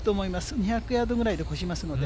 ２００ヤードぐらいで越しますので。